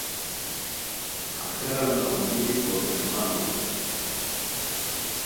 آخرہ نا امید وا پیݰمان ہوئے